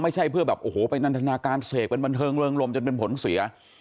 ไม่ใช่เพื่อแบบโอ้โหไปนันทนาการเสกเป็นบันเทิงเริงลมจนเป็นผลเสีย